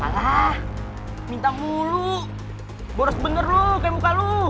alah minta mulu boros bener lo kayak muka lo